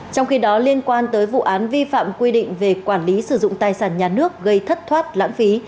trong khi đó liên quan tới vụ án vi phạm quy định về quản lý sử dụng tài sản nhà nước gây thất thoát lãng phí